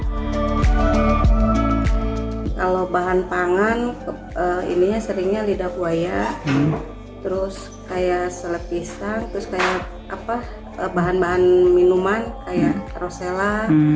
kalau bahan pangan ininya seringnya lidah buaya terus kayak seleb pisang terus kayak bahan bahan minuman kayak rosella